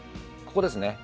ここですね。